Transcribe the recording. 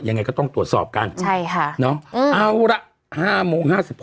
อย่างนี้ซึ่งความไม่ขึ้นนะครับ